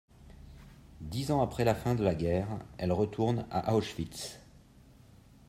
Dix ans après la fin de la guerre, elle retourne à Auschwitz.